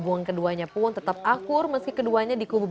buang keduanya pun tetap akur meski keduanya di kubu